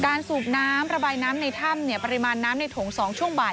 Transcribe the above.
สูบน้ำระบายน้ำในถ้ำปริมาณน้ำในถง๒ช่วงบ่าย